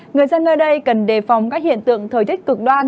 người dân ngơi đây cần đề phòng các hiện tượng thời tích cực đoan